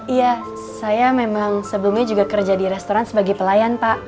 iya saya memang sebelumnya juga kerja di restoran sebagai pelayan pak